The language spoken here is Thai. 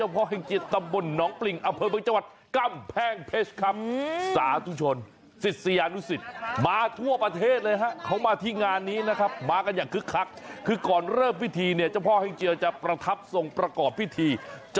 พร้อมกับไฟยันด์ด้วยให้น้ำมันมันเดือดพร่านอย่างนี้